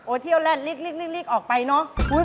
โอเทียลแลนด์ลิกออกไปเนอะ